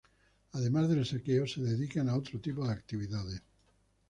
Además del saqueo, se dedicaban a otro tipo de actividades.